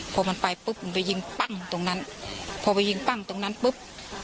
พอมันไปปุ๊บมันไปยิงปั้งตรงนั้นพอไปยิงปั้งตรงนั้นปุ๊บ